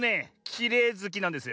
きれいずきなんですよ。